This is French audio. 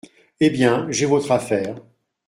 Eh bien, j’ai votre affaire…